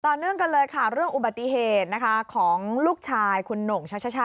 เนื่องกันเลยค่ะเรื่องอุบัติเหตุนะคะของลูกชายคุณหน่งชัชชา